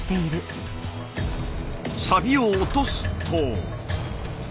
サビを落とすと。